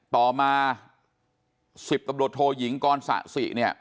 ต่อมา๑๐ตำรวจโทหยิงกรศาสิ